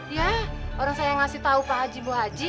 iya orang saya yang ngasih tau bu haji bu haji